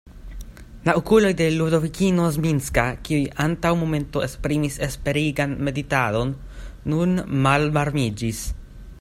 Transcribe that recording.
La okuloj de Ludovikino Zminska, kiuj antaŭ momento esprimis esperigan meditadon, nun malvarmiĝis.